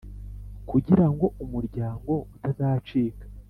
kugira ngo umuryango utazacika